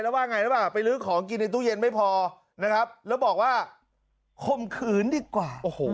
แล้วว่าไงหรือเปล่าไปลื้อของกินในตู้เย็นไม่พอนะครับแล้วบอกว่าคมขืนดีกว่าโอ้โห